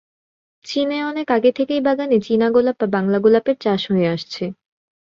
চীনে অনেক আগে থেকেই বাগানে চীনা গোলাপ বা বাংলা গোলাপের চাষ হয়ে আসছে।